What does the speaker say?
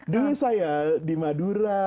dulu saya di madura